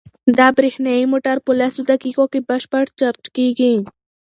دا برېښنايي موټر په لسو دقیقو کې بشپړ چارج کیږي.